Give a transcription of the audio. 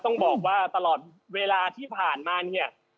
ต้องบอกว่าตลอดเวลาที่ผ่านมาเนี่ย